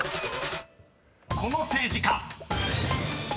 ［この政治家］